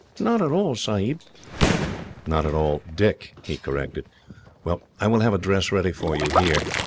"Not at all, Sahib." "Not at all, Dick," he corrected. "Well, I will have a dress ready for you here.